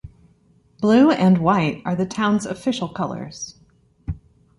Blue and white are the town's official colours.